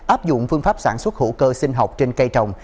áp dụng phương pháp sản xuất hữu cơ sinh học trên cây trồng